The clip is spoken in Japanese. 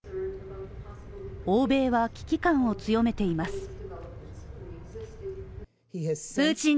欧米は危機感を強めています。